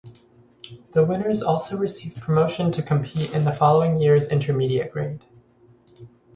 The winners also receive promotion to compete in the following years intermediate grade.